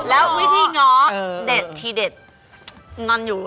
แล้ววิธีง้อเด็ดงั้นอยู่เออ